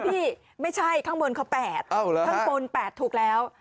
ไม่ใช่ข้างบนเขา๘ข้างบน๘ถูกแล้ว